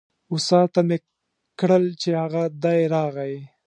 استاد ته مې کړل چې هغه دی راغی.